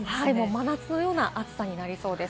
真夏のような暑さになりそうです。